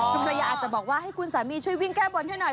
คุณภรรยาอาจจะบอกว่าให้คุณสามีช่วยวิ่งแก้บนให้หน่อย